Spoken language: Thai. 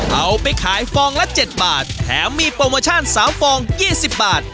เอาไปขายฟองละ๗บาทแถมมีโปรโมชั่น๓ฟอง๒๐บาท